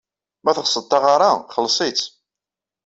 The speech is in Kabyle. Ma teɣsed taɣara, xelleṣ-itt.